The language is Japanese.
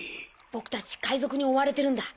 僕たち海賊に追われてるんだ。